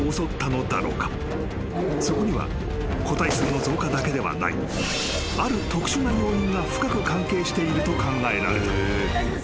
［そこには個体数の増加だけではないある特殊な要因が深く関係していると考えられた］